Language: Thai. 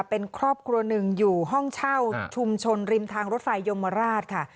เป็นครอบครัวหนึ่งอยู่ห้องเช่าชุมชนริมทางรถไฟยมราชค่ะ